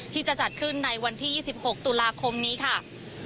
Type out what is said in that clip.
ที่จะจัดขึ้นในวันที่๒๖ตุลาคมนี้ค่ะ